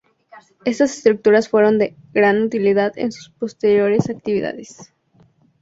Estas Estructuras fueron de gran utilidad en sus posteriores Actividades.